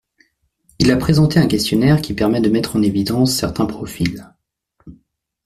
Il a présenté un questionnaire qui permet de mettre en évidence certains profils.